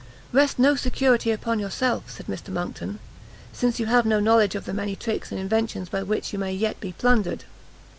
"Rest no security upon yourself," said Mr Monckton, "since you have no knowledge of the many tricks and inventions by which you may yet be plundered.